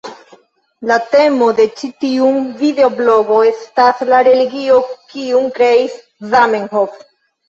La temo de ĉi tiun videoblogo estas la religio kiun kreis Zamenhof.